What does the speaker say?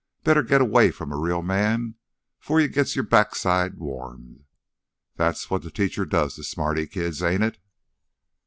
Better git away from a real man 'fore you gits yore backside warmed. That's what th' teacher does to smarty kids, ain't it?"